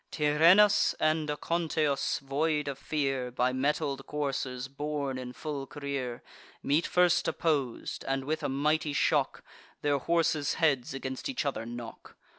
Tyrrhenus, and Aconteus, void of fear, By mettled coursers borne in full career, Meet first oppos'd; and, with a mighty shock, Their horses' heads against each other knock.